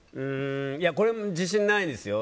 これ自信ないですよ。